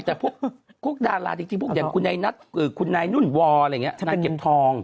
แต่พวกพวกดาราที่พูดอย่างคุณนายนัดคือคุณนายนุ่นวาอะไรอย่างนั้นเก็บทอง